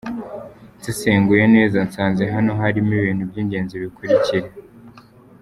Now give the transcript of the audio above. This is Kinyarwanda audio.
Nsesenguye neza nsanze hano harimo ibintu by’ingenzi bikurikira: